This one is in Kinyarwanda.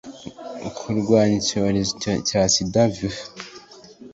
kurwanya icyorezo cya sida vih